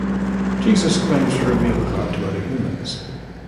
Jesus claims to reveal God to other humans